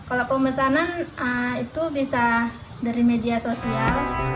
kalau pemesanan itu bisa dari media sosial